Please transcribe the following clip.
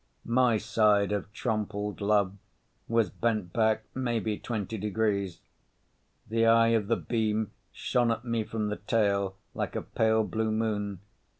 My side of Trompled Love was bent back maybe twenty degrees. The eye of the beam shone at me from the tail like a pale blue moon.